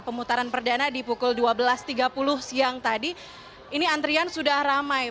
pemutaran perdana di pukul dua belas tiga puluh siang tadi ini antrian sudah ramai